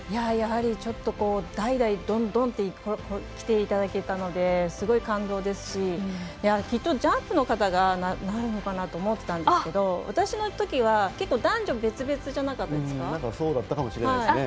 やはりちょっと代々どんどんときていただけたのですごい、感動ですしきっとジャンプの方がなるのかなと思ってたんですけど私のときは男女別々じゃなかったですか。